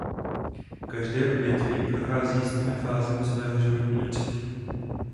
Každé odvětví prochází jistými fázemi svého životního cyklu.